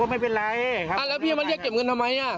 อ้าวแล้วพี่มาเรียกเก็บเงินทำไมอ่ะ